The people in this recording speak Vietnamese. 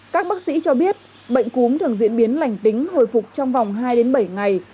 các bác sĩ cho biết bệnh cúm thường diễn biến lành tính hồi phục trong vòng hai bảy ngày